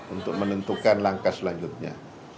untuk menentukan langkah selanjutnya